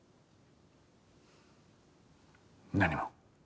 何も。